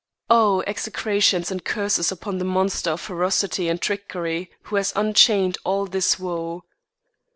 Oh, execrations and curses upon the monster of ferocity and trickery who has unchained all this woe!